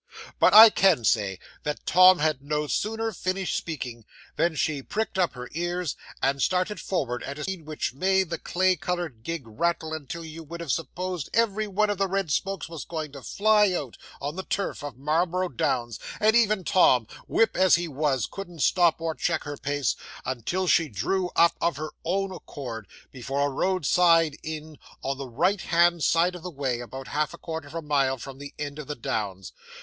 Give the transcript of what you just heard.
But I can say that Tom had no sooner finished speaking, than she pricked up her ears, and started forward at a speed which made the clay coloured gig rattle until you would have supposed every one of the red spokes were going to fly out on the turf of Marlborough Downs; and even Tom, whip as he was, couldn't stop or check her pace, until she drew up of her own accord, before a roadside inn on the right hand side of the way, about half a quarter of a mile from the end of the Downs.